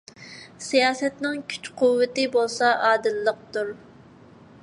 سىياسەتنىڭ كۈچ - قۇۋۋىتى بولسا ئادىللىقتۇر.